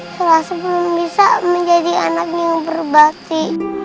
selasi belum bisa menjadi anak yang berbakti